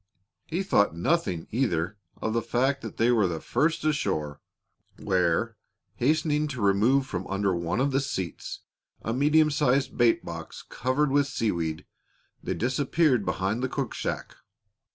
He thought nothing, either, of the fact that they were first ashore, where, hastening to remove from under one of the seats a medium sized bait box covered with seaweed, they disappeared behind the cook shack.